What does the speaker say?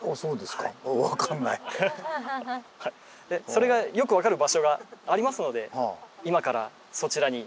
それがよく分かる場所がありますので今からそちらに行きたいと思います。